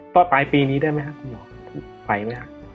ตอนปลายปีนี้ได้ไหมครับคุณหมอ